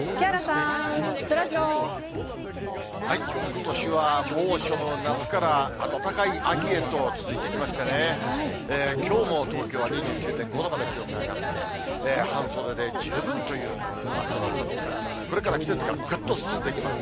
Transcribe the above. ことしは、猛暑の夏から暖かい秋へと続いてきましてね、きょうも東京は２９．５度まで気温が上がって、半袖で十分という暑さだったんですが、これから季節がぐっと進んでいきます。